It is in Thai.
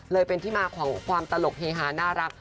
เลยเป็นที่มาของความตลกเฮฮาน่ารัก